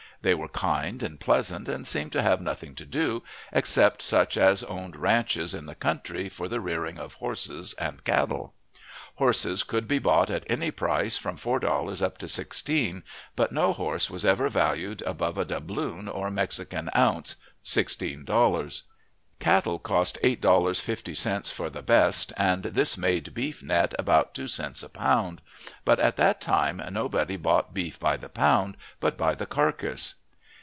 They were kind and pleasant, and seemed to have nothing to do, except such as owned ranches in the country for the rearing of horses and cattle. Horses could be bought at any price from four dollars up to sixteen, but no horse was ever valued above a doubloon or Mexican ounce (sixteen dollars). Cattle cost eight dollars fifty cents for the best, and this made beef net about two cents a pound, but at that time nobody bought beef by the pound, but by the carcass.